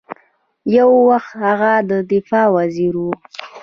یو وخت هغه د دفاع وزیر ؤ